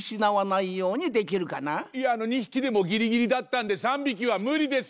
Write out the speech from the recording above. いや２ひきでもギリギリだったんで３びきはむりです！